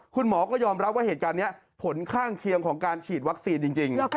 คุณหมอก็ยอมรับว่าเหตุการณ์นี้ผลข้างเคียงของการฉีดวัคซีนจริง